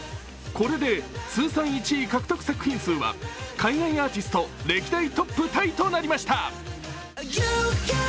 これで通算１位獲得作品数は海外アーティスト歴代トップタイとなりました。